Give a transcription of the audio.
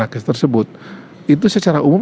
nakes tersebut itu secara umum